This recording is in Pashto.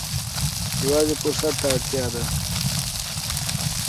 یوازې فرصت ته اړتیا ده.